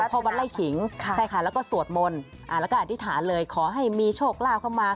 พ่อวัดไล่ขิงใช่ค่ะแล้วก็สวดมนต์แล้วก็อธิษฐานเลยขอให้มีโชคลาภเข้ามา